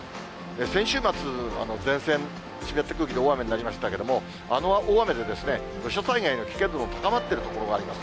先週末、前線、湿った空気で大雨になりましたけれども、あの大雨で、土砂災害の危険度が高まっている所があります。